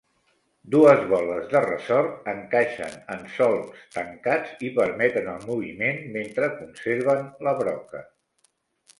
Dues boles de ressort encaixen en solcs tancats i permeten el moviment mentre conserven la broca.